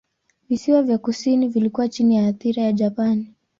Visiwa vya kusini vilikuwa chini ya athira ya Japani.